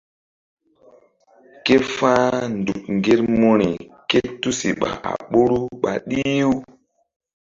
Ke fa̧h nzuk ŋgermuri ké tusiɓa a ɓoru ɓa ɗih-u.